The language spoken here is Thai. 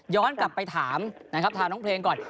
กลับไปถามนะครับทางน้องเพลงก่อน